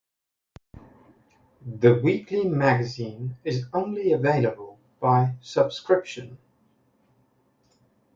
The weekly magazine is only available by subscription.